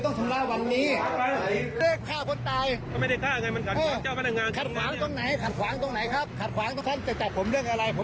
ท่านจะจับผมเรื่องอะไร